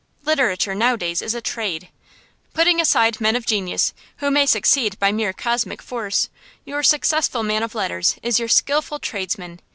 Literature nowadays is a trade. Putting aside men of genius, who may succeed by mere cosmic force, your successful man of letters is your skilful tradesman.